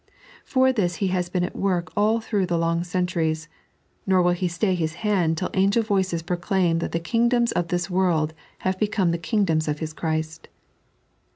For this He has been at work all through the long centuries, nor will He stay TTjb hand till angel volceti proclaim that the kingdoms of this world have become the kingdoms of His Christ.